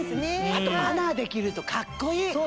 あとマナーできるとかっこいい。